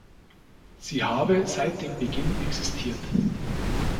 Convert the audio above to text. Sie habe seit dem Beginn existiert.